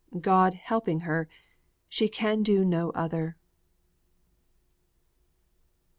God helping her, she can do no other.